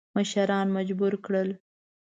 مشران مجبور کړل.